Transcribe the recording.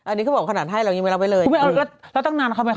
อันนี้เขาบอกคนาชให้หรอกเคยไม่